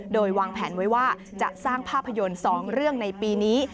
โดยวางแผนไว้ว่าจะสร้างภาพยนตร์๒เรื่องในปีนี้